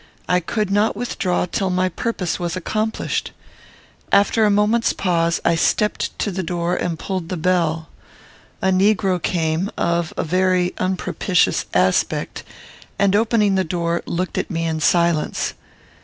I could not withdraw till my purpose was accomplished. After a moment's pause, I stepped to the door, and pulled the bell. A negro came, of a very unpropitious aspect, and, opening the door, looked at me in silence.